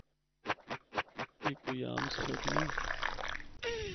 اے کوئی عام سڑک نیں۔